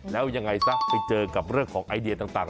แล้วยังไงซะไปเจอกับเรื่องของไอเดียต่าง